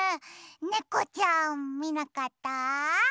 ねこちゃんみなかった？